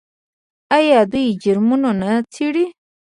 آیا دوی جرمونه نه څیړي؟